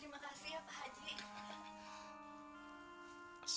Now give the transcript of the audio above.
terima kasih pak haji